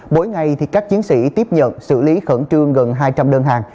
mỗi ngày các chiến sĩ tiếp nhận xử lý khẩn trương gần hai trăm linh đơn hàng